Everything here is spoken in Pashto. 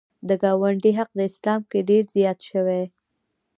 د ګاونډي حق اسلام کې ډېر یاد شوی